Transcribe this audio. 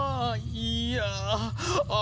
いやあ。